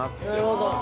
なるほど。